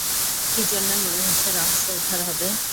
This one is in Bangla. কি জন্যে মনে হচ্ছে রহস্য উদ্ধার হবে?